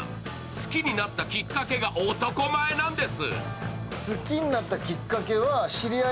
好きになったきっかけが、男前なんです。